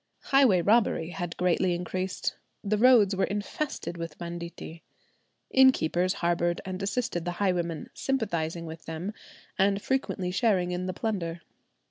Highway robbery had greatly increased. The roads were infested with banditti. Innkeepers harboured and assisted the highwaymen, sympathizing with them, and frequently sharing in the plunder.